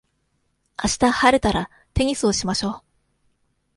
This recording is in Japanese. あした晴れたら、テニスをしましょう。